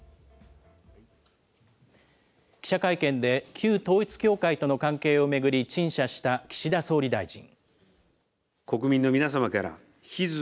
記者会見で、旧統一教会との関係を巡り、陳謝した岸田総理大臣。